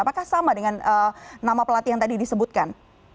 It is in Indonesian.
apakah sama dengan nama pelatih yang tadi disebutkan